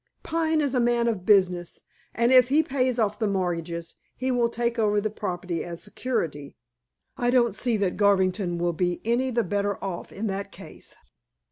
"Pine is a man of business, and if he pays off the mortgages he will take over the property as security. I don't see that Garvington will be any the better off in that case."